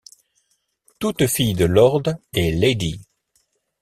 Toute fille de lord est lady.